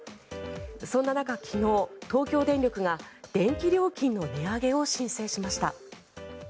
そんな中、昨日、東京電力が電気料金の値上げを申請しました。